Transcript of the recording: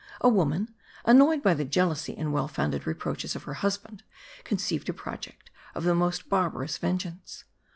A woman, annoyed by the jealousy and well founded reproaches of her husband, conceived a project of the most barbarous vengeance.